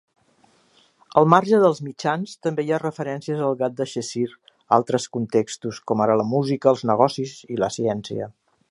Al marge dels mitjans, també hi ha referències al Gat de Cheshire altres contextos, com ara la música, els negocis i la ciència.